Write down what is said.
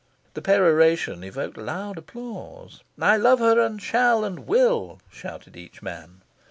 This peroration evoked loud applause. "I love her, and shall, and will," shouted each man.